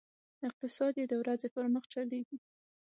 اقتصاد یې د ورځې پر مخ چلېږي.